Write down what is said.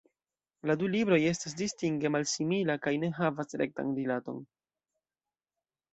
La du libroj estas distinge malsimila kaj ne havas rektan rilaton.